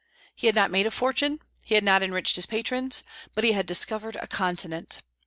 He had not made a fortune; he had not enriched his patrons, but he had discovered a continent.